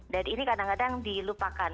dan ini kadang kadang dilupakan